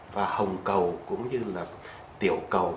và hồng cầu cũng như là tiểu cầu